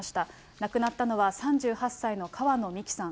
亡くなったのは３８歳の川野美樹さん。